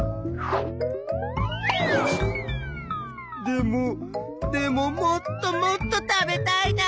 でもでももっともっと食べたいな。